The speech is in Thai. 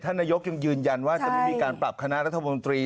นายกยังยืนยันว่าจะไม่มีการปรับคณะรัฐมนตรี